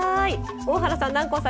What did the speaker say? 大原さん南光さん